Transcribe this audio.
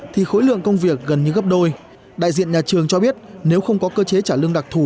thì khối lượng công việc gần như gấp đôi đại diện nhà trường cho biết nếu không có cơ chế trả lương đặc thù